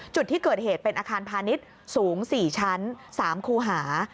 จุดที่เกิดเหตุเป็นอาคารพาณิชย์สูง๔ชั้น๓คูหา